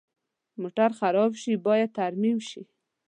موټر خراب شي، باید ترمیم شي.